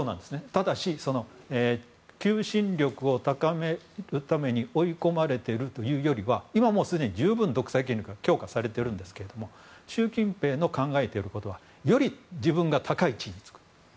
ただし、求心力を高めるために追い込まれているというよりは今もうすでに独裁権力は強化されてるんですけども習近平の考えていることはより自分が高い地位に就く。